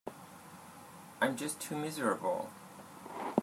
I'm just too miserable.